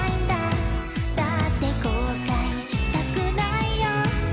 「だって後悔したくないよ」